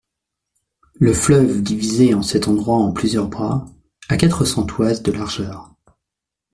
Le fleuve divisé en cet endroit en plusieurs bras, a quatre cents toises de largeur.